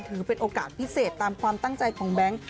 ถือเป็นโอกาสพิเศษตามความตั้งใจของแบงค์